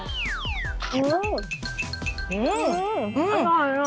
อร่อยนะ